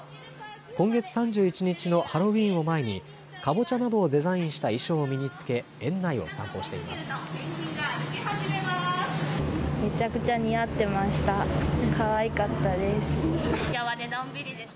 今月３１日のハロウィーンを前にかぼちゃなどをデザインした衣装を身に着け園内を散歩しています。